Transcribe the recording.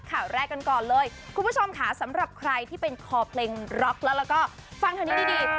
ข่าวแรกกันก่อนเลยคุณผู้ชมค่ะสำหรับใครที่เป็นคอเพลงร็อกแล้วก็ฟังทางนี้ดี